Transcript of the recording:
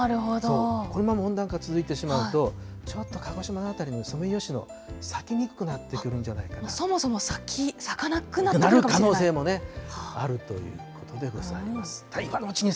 このまま温暖化続いてしまうと、ちょっと鹿児島の辺りのソメイヨシノ、咲きにくくなってくるそもそも咲かなくなってくる可能性もあるということでございます。